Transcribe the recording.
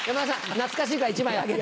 懐かしいから１枚あげて。